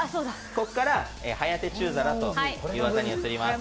ここからはやて中皿という技に移ります。